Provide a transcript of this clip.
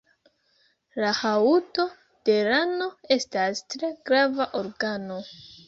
La haŭto de rano estas tre grava organo.